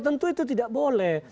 tentu itu tidak boleh